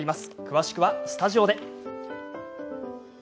詳しくはスタジオで。